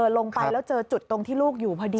ลงไปแล้วเจอจุดตรงที่ลูกอยู่พอดี